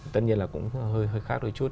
tất nhiên là cũng hơi khác đôi chút